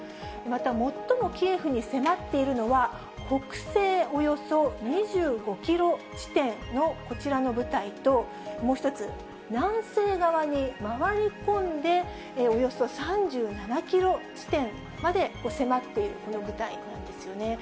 また、最もキエフに迫っているのは、北西およそ２５キロ地点のこちらの部隊と、もう一つ、南西側に回り込んで、およそ３７キロ地点まで迫っているこの部隊なんですよね。